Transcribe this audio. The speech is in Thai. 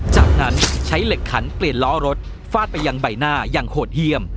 จากนั้นใช้เหล็กขันเปลี่ยนล้อรถฟาดไปยังใบหน้าอย่างโหดเยี่ยม